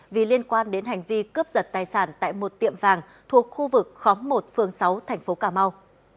vì liên quan đến hành vi cướp giật tài sản tại một tiệm vàng thuộc khu vực khóm một phường sáu thành phố cà mau